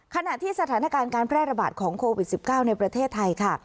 ขณะที่สถานการณ์การแพร่ระบาดของโควิด๑๙ในประเทศไทยค่ะ